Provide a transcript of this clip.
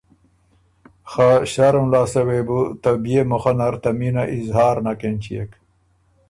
خه ݭرُم لاسته وې بُو ته بيې مُخه نر ته مینه اظهار نک اېنچيېک